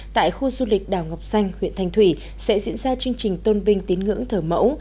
tại khu du lịch đào ngọc xanh huyện thành thủy sẽ diễn ra chương trình tôn vinh tín ngưỡng thờ mẫu